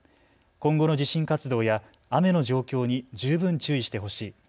今後の地震活動や雨の状況に十分注意してほしい。